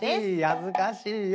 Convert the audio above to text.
恥ずかしいよ。